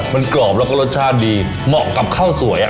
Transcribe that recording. มันกรอบแล้วก็รสชาติดีเหมาะกับข้าวสวย